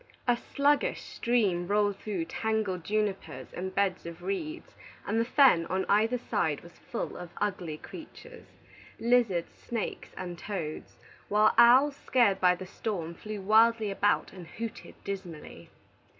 A sluggish stream rolled through tangled junipers and beds of reeds, and the fen on either side was full of ugly creatures, lizards, snakes, and toads; while owls, scared by the storm, flew wildly about and hooted dismally.